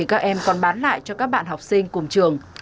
các em còn bán lại cho các bạn học sinh cùng trường